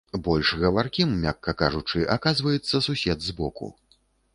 Больш гаваркім, мякка кажучы, аказваецца сусед збоку.